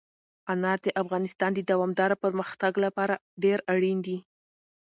انار د افغانستان د دوامداره پرمختګ لپاره ډېر اړین دي.